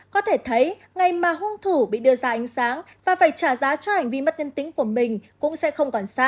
có thể thấy ngày mà hung thủ bị đưa ra ánh sáng và phải trả giá cho hành vi mất nhân tính của mình cũng sẽ không còn xa